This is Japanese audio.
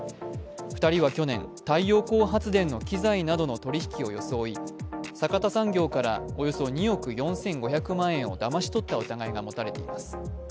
２人は去年、太陽光発電の機材などの取り引きを装い、阪田産業からおよそ２億４５００万円をだまし取った疑いが持たれています。